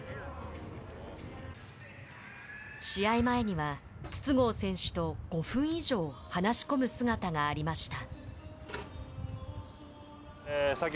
試合前には筒香選手と５分以上話し込む姿がありました。